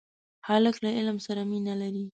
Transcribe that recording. هلک له علم سره مینه لري.